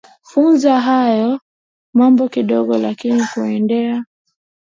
funza hayo mambo kidogo lakini ukienda